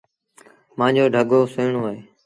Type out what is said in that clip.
مآݩجو ڍڳو سُهيٚڻون اهي۔